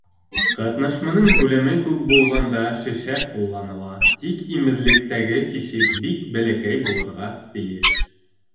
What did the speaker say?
Ҡатнашманың күләме күп булғанда шешә ҡулланыла, тик имеҙлектәге тишек бик бәләкәй булырға тейеш.